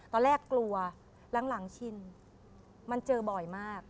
ตอนแรกกลัวหลังชินมันเจอบ่อยมาก